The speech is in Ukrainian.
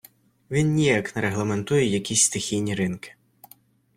Він ніяк не регламентує якісь стихійні ринки.